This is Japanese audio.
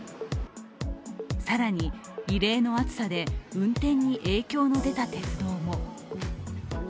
更に、異例の暑さで運転に影響の出た鉄道も。